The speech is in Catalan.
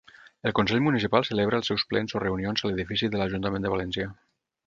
El consell municipal celebra els seus plens o reunions a l'edifici de l'ajuntament de València.